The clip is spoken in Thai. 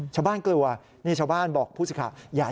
ชาวบ้านเกลือนี่ชาวบ้านบอกผู้สิทธิ์ข่าว